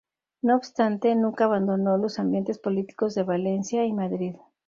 No obstante, nunca abandonó los ambientes políticos de Valencia y Madrid.